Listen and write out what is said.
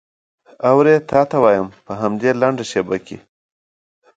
اورې تا ته وایم په همدې لنډه شېبه کې.